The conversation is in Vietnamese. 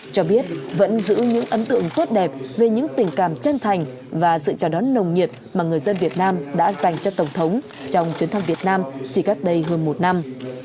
cho biết vẫn giữ những ấn tượng tốt đẹp về những tình cảm chân thành và sự chào đón nồng nhiệt mà người dân việt nam đã dành cho tổng thống trong chuyến thăm việt nam chỉ cách đây hơn một năm